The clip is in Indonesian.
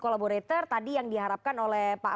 collaborator tadi yang diharapkan oleh pak